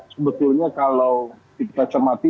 sebetulnya kalau kita cermati